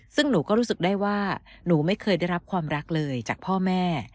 ซึ่งหนูก็รู้สึกได้ว่าหนูไม่เคยได้รับความรักเลยจากพ่อแม่